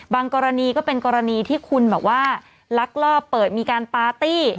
กรณีก็เป็นกรณีที่คุณแบบว่าลักลอบเปิดมีการปาร์ตี้